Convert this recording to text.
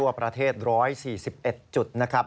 ประเทศ๑๔๑จุดนะครับ